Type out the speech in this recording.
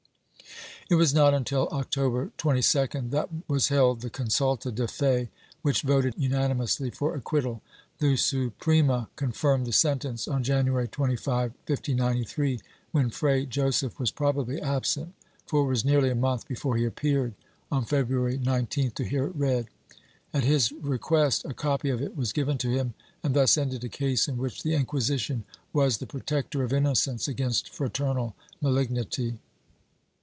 It was not until October 22d that was held the consulta de fe, which voted unanimously for acquittal; the Suprema confirmed the sentence, on January 25, 1593, when Fray Joseph was probably absent, for it was nearly a month before he appeared, on February 19th to hear it read. At his request a copy of it was given to him and thus ended a case in which the Inquisition was the protector of innocence against fraternal malignity.